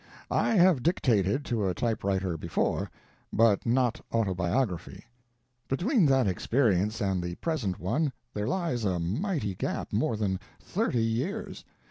I have dictated to a typewriter before but not autobiography. Between that experience and the present one there lies a mighty gap more than thirty years!